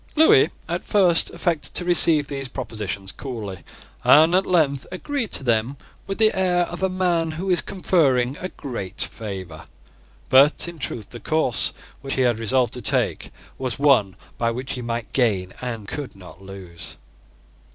Lewis at first affected to receive these propositions coolly, and at length agreed to them with the air of a man who is conferring a great favour: but in truth, the course which he had resolved to take was one by which he might gain and could not lose.